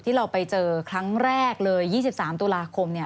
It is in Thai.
ที่เราไปเจอครั้งแรกเลย๒๓ตุลาคม